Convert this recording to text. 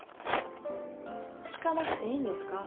聞かなくていいんですか？